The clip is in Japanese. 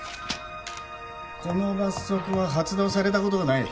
この罰則は発動されたことがない。